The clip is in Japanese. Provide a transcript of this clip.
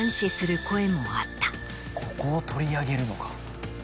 ここを取り上げるのか。